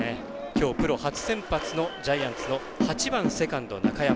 きょうプロ初先発のジャイアンツ８番セカンド中山。